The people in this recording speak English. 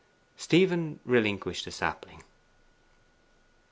Stephen relinquished the sapling.